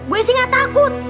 gue sih ga takut